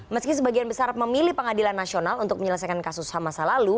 meski sebagian besar memilih pengadilan nasional untuk menyelesaikan kasus ham masa lalu